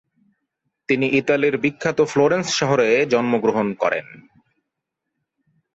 তিনি ইতালির বিখ্যাত ফ্লোরেন্স শহরে জন্মগ্রহণ করেন।